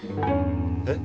えっ？